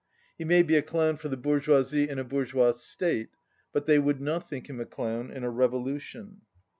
"He may be a clown for the bourgeoisie in a bourgeois state, but they would not think him a clown in a revolution."